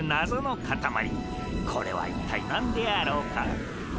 これは一体なんであろうか？